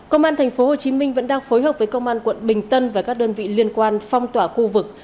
công an tp hcm vẫn đang phối hợp với công an quận bình tân và các đơn vị liên quan phong tỏa khu vực